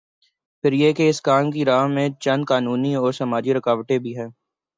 پھر یہ کہ اس کام کی راہ میں چند قانونی اور سماجی رکاوٹیں بھی ہیں۔